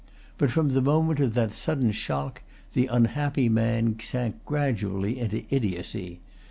But from the moment of that sudden shock, the unhappy man sank gradually into idiocy.